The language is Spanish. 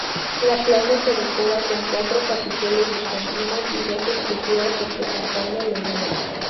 La plaza se decora con cuatro capiteles bizantinos y dos esculturas representando leones.